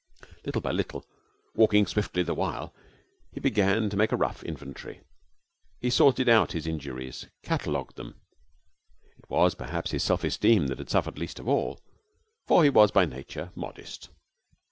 Little by little, walking swiftly the while, he began to make a rough inventory. He sorted out his injuries, catalogued them. It was perhaps his self esteem that had suffered least of all, for he was by nature modest.